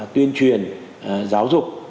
tuyên truyền giáo dục